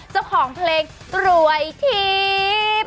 เจ้าของเพลงกรวยทิพย์